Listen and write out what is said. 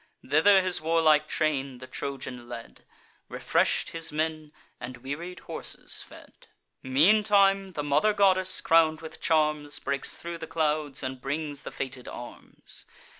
Thither his warlike train the Trojan led, Refresh'd his men, and wearied horses fed. Meantime the mother goddess, crown'd with charms, Breaks thro' the clouds, and brings the fated arms.